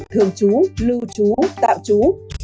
thường chú lưu chú tạm chú